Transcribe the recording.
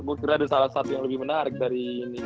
mungkin ada salah satu yang lebih menarik dari ini